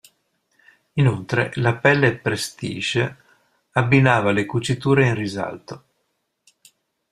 Inoltre la Pelle Prestige abbinava le cuciture in risalto.